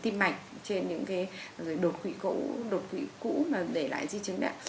tìm mạch trên những cái đột quỷ cũ mà để lại di chứng đấy